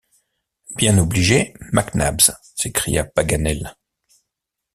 Bien obligé, Mac Nabbs, s’écria Paganel.